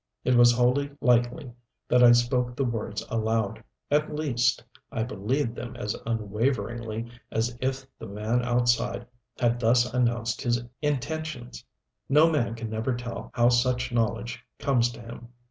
It was wholly likely that I spoke the words aloud; at least, I believed them as unwaveringly as if the man outside had thus announced his intentions. No man can ever tell how such knowledge comes to him.